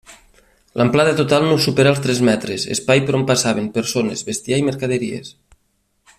L'amplada total no supera els tres metres, espai per on passaven persones, bestiar i mercaderies.